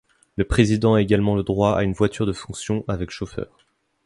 Le président a également le droit à une voiture de fonction avec chauffeur.